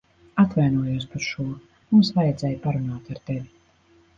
Atvainojos par šo. Mums vajadzēja parunāt ar tevi.